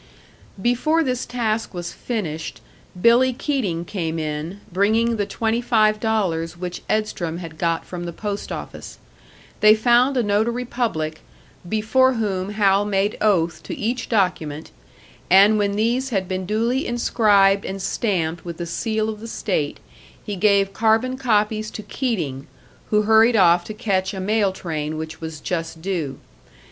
Before this task was finished, Billy Keating came in, bringing the twenty five dollars which Edstrom had got from the post office. They found a notary public, before whom Hal made oath to each document; and when these had been duly inscribed and stamped with the seal of the state, he gave carbon copies to Keating, who hurried off to catch a mail train which was just due.